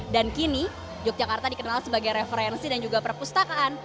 dan kini yogyakarta dikenal sebagai referensi dan juga perpustakaan